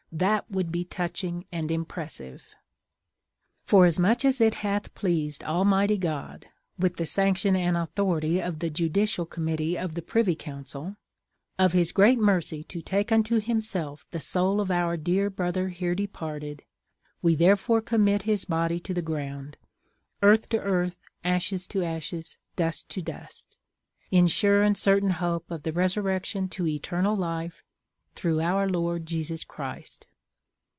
That would be touching and impressive!—"Forasmuch as it hath pleased Almighty God (with the sanction and authority of the Judicial Committee of the Privy Council) of his great mercy to take unto himself the soul of our dear brother here departed, we therefore commit his body to the ground; earth to earth, ashes to ashes, dust to dust; in sure and certain hope of the resurrection to eternal life, through our Lord Jesus Christ."